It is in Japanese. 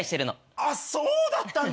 あっそうだったんだ。